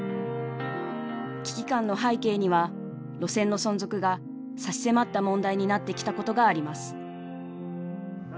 危機感の背景には路線の存続が差し迫った問題になってきたことがあります。